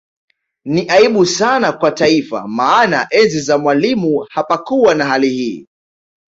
Ni aibu sana kwa Taifa maana enzi za Mwalimu hapakukuwa na hali hii